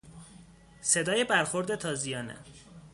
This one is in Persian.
صدای برخورد تازیانه